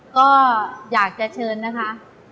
ก็อยากจะเชิญนะคะ